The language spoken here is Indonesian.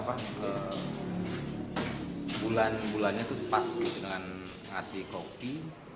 bulan bulannya itu pas dengan ngasih kopi